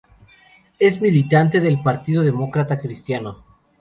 Es militante del Partido Demócrata Cristiano.